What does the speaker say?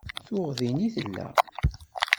Tuɣ din i nella.